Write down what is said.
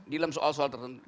dalam soal soal tertentu